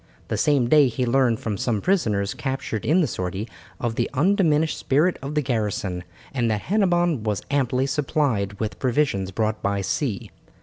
The same day, he learned from some prisoners captured in the sortie, of the undiminished spirit of the garrison, and that Hennebon was amply supplied with provisions brought by sea.